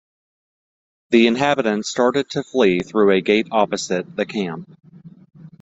The inhabitants started to flee through a gate opposite the camp.